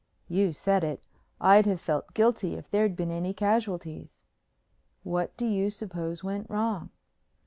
"You said it. I'd have felt guilty if there'd been any casualties." "What do you suppose went wrong?"